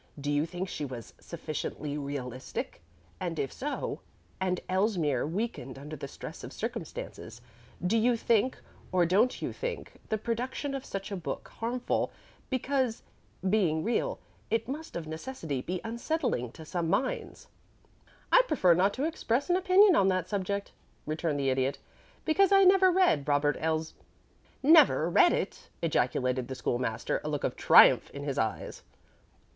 Do you think she was sufficiently realistic? And if so, and Elsmere weakened under the stress of circumstances, do you think or don't you think the production of such a book harmful, because being real it must of necessity be unsettling to some minds?" [Illustration: THE CONSPIRATORS] "I prefer not to express an opinion on that subject," returned the Idiot, "because I never read Robert Els " "Never read it?" ejaculated the School master, a look of triumph in his eyes.